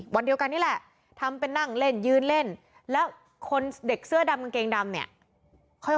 วันเดียวกันนี่แหละทำเป็นนั่งเล่นยืนเล่นแล้วคนเด็กเสื้อดำกางเกงดำเนี่ยค่อย